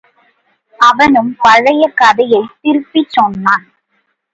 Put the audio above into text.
அவனும் பழைய கதையைத் திருப்பிச் சொன்னான்.